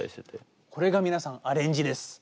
これが皆さんアレンジです。